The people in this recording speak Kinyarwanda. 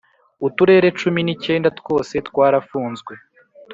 uturere cumi n’icyenda twose twarafunzwe.